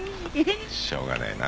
しょうがねえな。